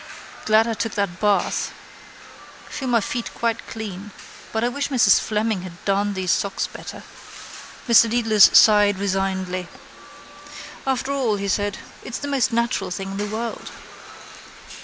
Glad I took that bath. Feel my feet quite clean. But I wish Mrs Fleming had darned these socks better. Mr Dedalus sighed resignedly. —After all, he said, it's the most natural thing in the world.